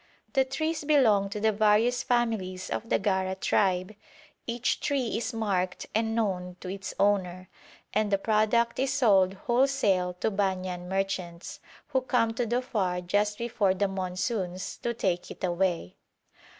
The trees belong to the various families of the Gara tribe; each tree is marked and known to its owner, and the product is sold wholesale to Banyan merchants, who come to Dhofar just before the monsoons to take it away.